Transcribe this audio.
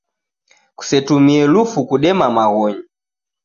Kusetumie lufu kudema maghonyi